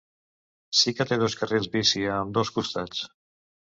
Sí que té dos carrils bici, a ambdós costats.